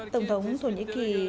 tổng thống thổ nhĩ kỳ